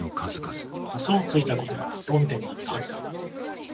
嘘をついたことが論点だったはず